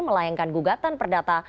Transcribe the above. melayangkan gugatan perdata